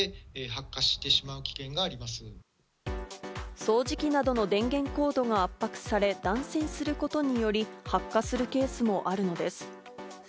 掃除機などの電気コードが圧迫され、断線することにより、発火するケースもあるのです。